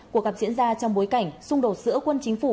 cuộc gặp diễn ra trong bối cảnh xung đột giữa quân chính phủ